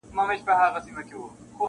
وېښته مي ولاړه سپین سوه لا دي را نکئ جواب-